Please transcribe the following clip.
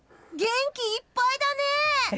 元気いっぱいだね！